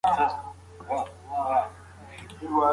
ایا تاسو د اوړي پر مهال آیس کریم خوړلي دي؟